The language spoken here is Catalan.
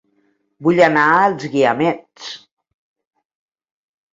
Vull anar a Els Guiamets